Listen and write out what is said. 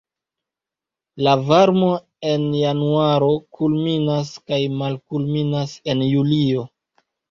La varmo en januaro kulminas kaj malkulminas en julio.